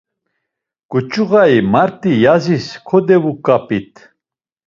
Ǩuç̌uğayi, mart̆i yazis kodevuǩapit.